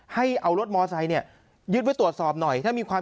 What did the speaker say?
ให้เอารถมอไซค์เนี่ยยึดไว้ตรวจสอบหน่อยถ้ามีความ